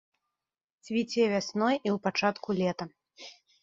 Цвіце вясной і ў пачатку лета.